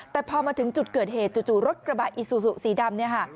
แต่พอมาถึงจุดเกิดเหตุจู่รถกระบะอิซูซูสีดำเนี่ยค่ะ